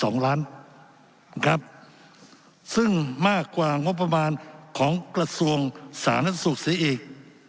สองล้านนะครับซึ่งมากกว่างบประมาณของกระทรวงสาธารณสุขเสียอีก